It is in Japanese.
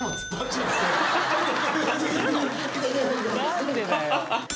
何でだよ。